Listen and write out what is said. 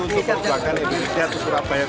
untuk perjuangan indonesia ke surabaya